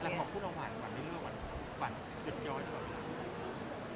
แล้วของคู่เราหวานหวานเย็นยอยเหรอ